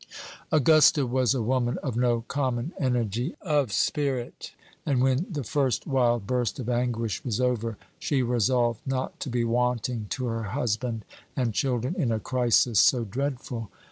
Augusta was a woman of no common energy of spirit, and when the first wild burst of anguish was over, she resolved not to be wanting to her husband and children in a crisis so dreadful.